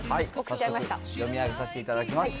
早速読み上げさせていただきます。